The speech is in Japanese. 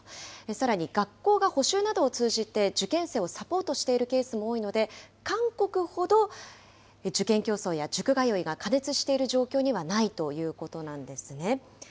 さらに学校が補習などを通じて受験生をサポートしているケースも多いので、韓国ほど、受験競争や塾通いが過熱している状況にはないということなんですね。